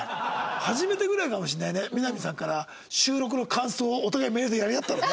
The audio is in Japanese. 初めてぐらいかもしれないねみな実さんから収録の感想をお互いメールでやり合ったのね。